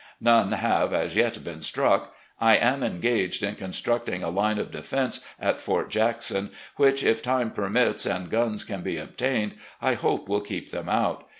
None have as yet been struck. I am engaged in constructing a line of defense at Fort Jackson which, if time permits and guns can be obtained, I hope will keep them out.